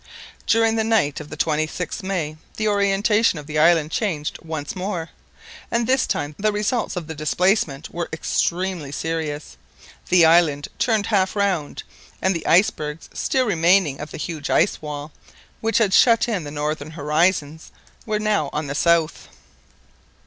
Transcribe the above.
During the night of the 26th May, the orientation of the island changed once more; and this time the results of the displacement were extremely serious. The island turned half round, and the icebergs still remaining of the huge ice wall, which had shut in the northern horizon, were now on the south.